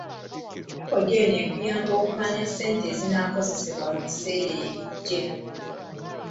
Likodi eno ekuyamba okumanya ssente ezinaakozesebwa mu biseera ebijja.